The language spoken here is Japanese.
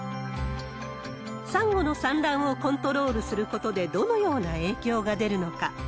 サンゴの産卵をコントロールすることで、どのような影響が出るのか。